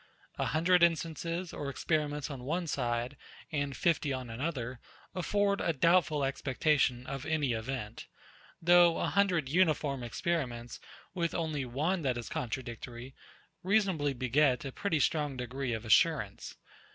A hundred instances or experiments on one side, and fifty on another, afford a doubtful expectation of any event; though a hundred uniform experiments, with only one that is contradictory, reasonably beget a pretty strong degree of assurance.